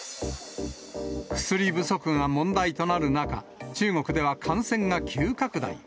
薬不足が問題となる中、中国では感染が急拡大。